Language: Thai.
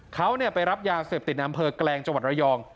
เขาไปรับยาเสพติดในอำเภอแกลงจังหวัดระยอง